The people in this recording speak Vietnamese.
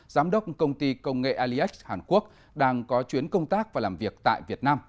giám đốc công ty công nghệ aliex hàn quốc đang có chuyến công tác và làm việc tại việt nam